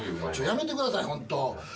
やめてくださいホント。